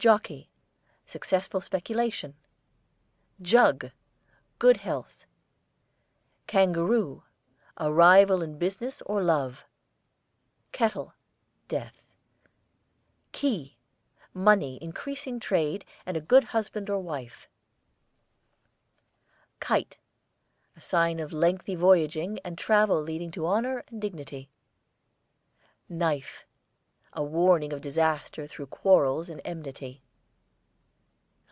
JOCKEY, successful speculation. JUG, good health. KANGAROO, a rival in business or love. KETTLE, death. KEY, money, increasing trade, and a good husband or wife. KITE, a sign of lengthy voyaging and travel leading to honour and dignity. KNIFE, a warning of disaster through quarrels and enmity.